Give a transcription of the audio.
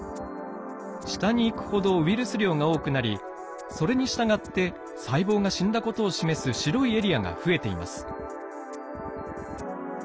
下にいくほどウイルス量が多くなりそれにしたがって細胞が死んだことを示す白いエリアが増えています。